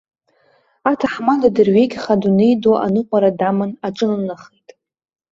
Аҭаҳмада дырҩегьых адунеи ду аныҟәара даман аҿынанахеит.